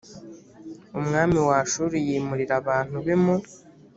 umwami wa ashuri yimurira abantu be mu